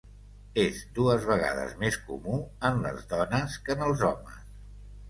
És dues vegades més comú en les dones que en els homes.